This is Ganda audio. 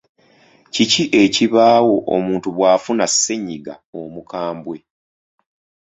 Kiki ekibaawo omuntu bw’afuna ssennyiga omukambwe?